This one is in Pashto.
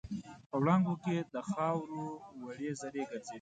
په وړانګو کې د خاوور وړې زرې ګرځېدې.